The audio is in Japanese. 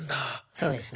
そうですね。